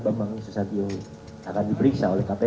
bambang susatyo akan diperiksa oleh kpk